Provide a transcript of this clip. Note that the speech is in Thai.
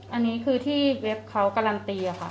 อันนี้คือที่เว็บเขาการันตีค่ะ